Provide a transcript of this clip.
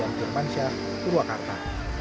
yang terpaksa purwakarta